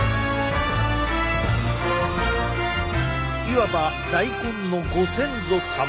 いわば大根のご先祖様！